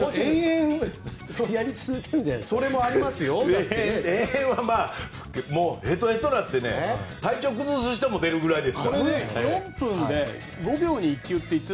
永遠はヘトヘトになって体調を崩す人も出るぐらいです。